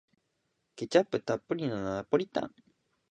ケチャップたっぷりのナポリタン